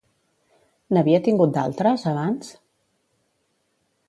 N'havia tingut d'altres, abans?